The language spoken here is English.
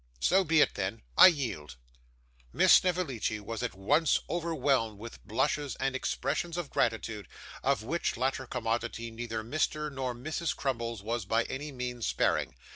So be it then. I yield.' Miss Snevellicci was at once overwhelmed with blushes and expressions of gratitude, of which latter commodity neither Mr. nor Mrs. Crummles was by any means sparing.